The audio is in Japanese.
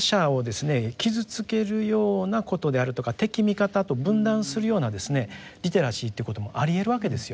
傷つけるようなことであるとか敵味方と分断するようなリテラシーということもありえるわけですよ。